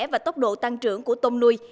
và tốc độ tăng trưởng của tôm nuôi